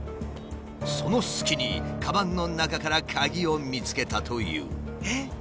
その隙にかばんの中から鍵を見つけたという。